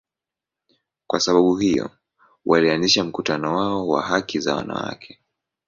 Kwa sababu hiyo, walianzisha mkutano wao wa haki za wanawake.